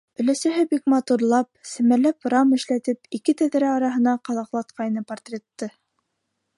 Өләсәһе бик матурлап, семәрләп рам эшләтеп, ике тәҙрә араһына ҡаҙаҡлатҡайны портретты.